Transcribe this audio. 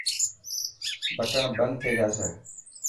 بٽڻ بند ٿي جاسي.